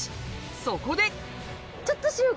そこで！